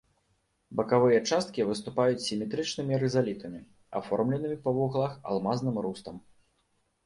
Бакавыя часткі выступаюць сіметрычнымі рызалітамі, аформленымі па вуглах алмазным рустам.